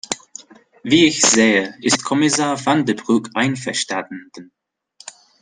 Wie ich sehe, ist Kommissar van de Broek einverstanden.